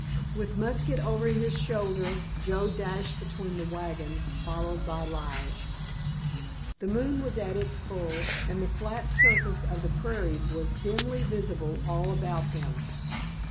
With musket over his shoulder Joe dashed between the wagons, followed by Lige. The moon was at its full, and the flat surface of the prairies was dimly visible all about them.